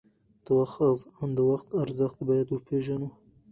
د وخت ارزښت باید وپیژنو.